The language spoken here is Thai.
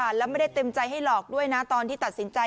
แล้วไม่ได้เต็มใจให้หลอกด้วยนะ